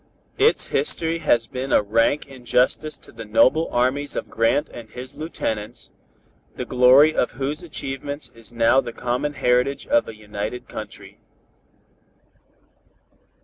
Its history has been a rank injustice to the noble armies of Grant and his lieutenants, the glory of whose achievements is now the common heritage of a United Country."